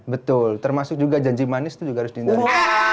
betul termasuk juga janji manis itu juga harus dihindari